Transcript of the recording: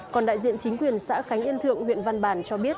còn đại diện chính quyền xã khánh yên thượng huyện văn bàn cho biết